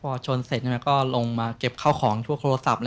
พอชนเสร็จก็ลงมาเก็บข้าวของทั่วโทรศัพท์